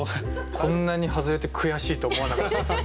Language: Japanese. こんなに外れて悔しいと思わなかったですよね。